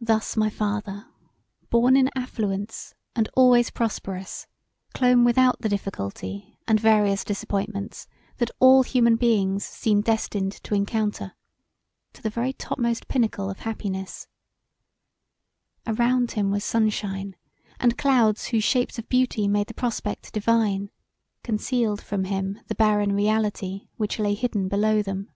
Thus my father, born in affluence, and always prosperous, clombe without the difficulty and various disappointments that all human beings seem destined to encounter, to the very topmost pinacle of happiness: Around him was sunshine, and clouds whose shapes of beauty made the prospect divine concealed from him the barren reality which lay hidden below them.